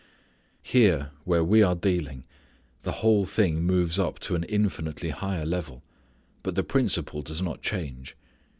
Here, where we are dealing, the whole thing moves up to an infinitely higher level, but the principle does not change.